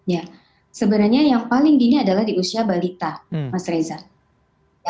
ya sebenarnya yang paling dini adalah di usia balita mas reza